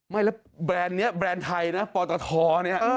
ไม่แล้วแบรนด์นี้แบรนด์ไทยนะปตทเนี่ย